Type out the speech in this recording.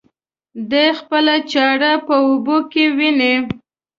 دى خپله چاړه په اوبو کې ويني.